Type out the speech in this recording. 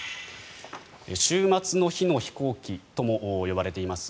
終末の日の飛行機とも呼ばれています